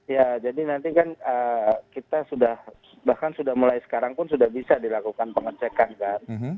ya jadi nanti kan kita sudah bahkan sudah mulai sekarang pun sudah bisa dilakukan pengecekan kan